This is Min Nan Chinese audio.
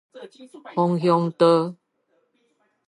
楓香道